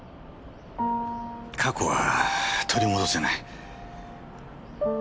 過去は取り戻せない。